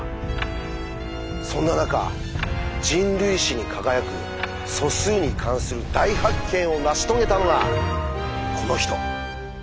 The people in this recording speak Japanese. そんな中人類史に輝く素数に関する大発見を成し遂げたのがこの人！